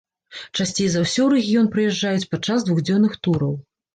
Часцей за ўсё ў рэгіён прыязджаюць падчас двухдзённых тураў.